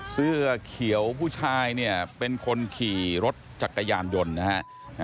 เสื้อเขียวผู้ชายเนี่ยเป็นคนขี่รถจักรยานยนต์นะฮะ